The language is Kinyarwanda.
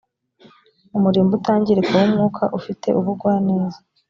umurimbo utangirika w umwuka ufite ubugwaneza